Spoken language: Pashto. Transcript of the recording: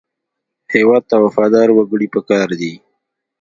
هېواد ته وفادار وګړي پکار دي